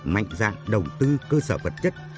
mạnh dạng đầu tư cơ sở vật chất